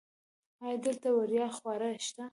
ایا دلته وړیا خواړه شته؟